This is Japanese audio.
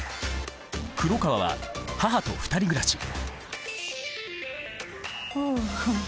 黒川は母と２人暮らしああ。